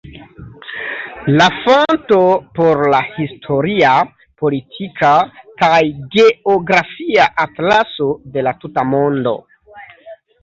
La fonto por la "Historia, Politika kaj Geografia Atlaso de la tuta mondo.